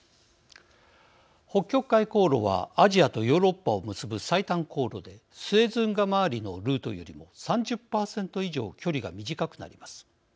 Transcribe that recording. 北極海航路はアジアとヨーロッパを結ぶ最短航路でスエズ運河まわりのルートよりも３０％以上距離が短くなります。